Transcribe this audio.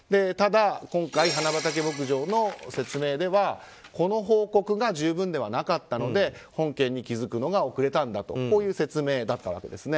ただ今回、花畑牧場の説明ではこの報告が十分ではなかったので本件に気付くのが遅れたんだという説明でした。